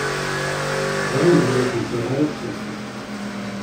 Ẓṛan belli ur tenfiɛ ara tsertit.